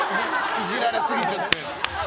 いじられすぎちゃって。